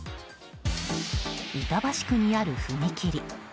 板橋区にある踏切。